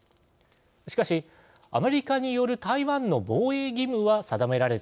しかしアメリカによる台湾の防衛義務は定められていません。